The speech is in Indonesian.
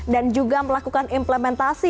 dan juga melakukan implementasi